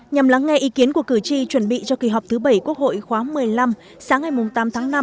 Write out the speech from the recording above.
nhằm lắng nghe ý kiến của cử tri chuẩn bị cho kỳ họp thứ bảy quốc hội khóa một mươi năm sáng ngày tám tháng năm